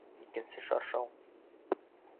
Икенсе шаршау!